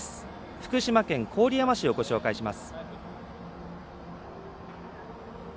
福島県郡山市をご紹介します。